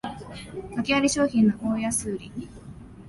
わけあり商品の大安売り